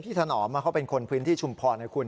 พี่ถนอมเขาเป็นคนพินที่ชุมพรขุม